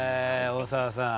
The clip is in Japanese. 大沢さん